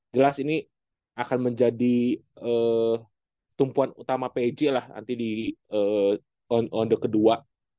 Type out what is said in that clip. jelas ini akan menjadi tumpuan utama pj lah nanti di on the kedua